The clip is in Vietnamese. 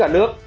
sự ảnh hưởng